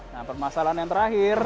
nah permasalahan yang terakhir